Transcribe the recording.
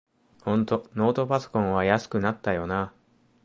ほんとノートパソコンは安くなったよなあ